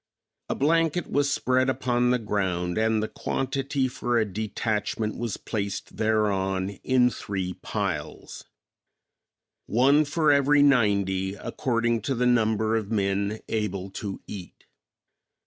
A blanket was spread upon the ground and the quantity for a detachment was placed thereon in three piles; one for every ninety, according to the number of men able to eat.